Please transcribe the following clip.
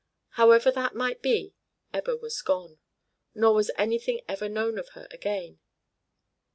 However that might be, Ebba was gone; nor was anything ever known of her again.